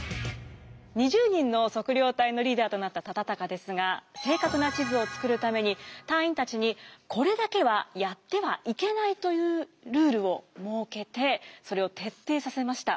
２０人の測量隊のリーダーとなった忠敬ですが正確な地図を作るために隊員たちにこれだけはやってはいけないというルールを設けてそれを徹底させました。